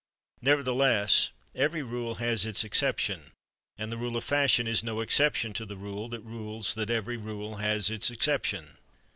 Nevertheless, every rule has its exception and the Rule of Fashion is no exception to the rule that rules that every rule has its exception.